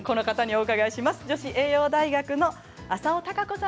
お願いします。